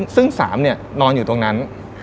ซึ่ง๓นอนอยู่ตรงนั้น